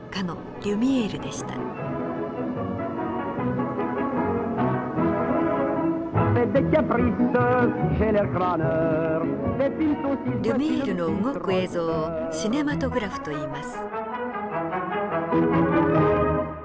リュミエールの動く映像をシネマトグラフといいます。